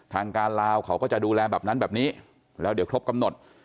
ทางการลาวเขาก็จะดูแลแบบนั้นแบบนี้แล้วเดี๋ยวครบกำหนด